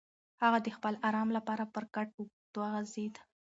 هغه د خپل ارام لپاره پر کټ اوږد وغځېد.